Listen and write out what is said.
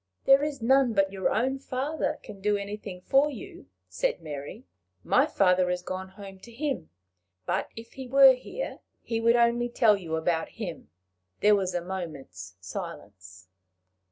"There is none but your own father can do anything for you," said Mary. "My father is gone home to him, but if he were here, he would only tell you about him." There was a moment's silence.